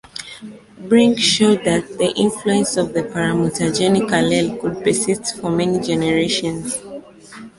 Brink showed that the influence of the paramutagenic allele could persist for many generations.